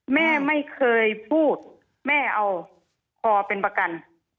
แม่ไม่เคยพูดแม่เอาคอเป็นประกัน